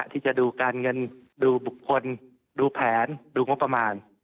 ที่จะดูการเงินดูบุคคลดูแผนดูงบประมาณ